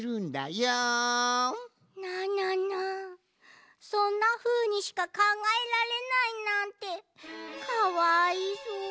なななそんなふうにしかかんがえられないなんてかわいそう。